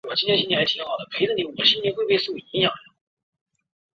犬悬上杉家是室町时代在关东地方割据的上杉氏诸家之一。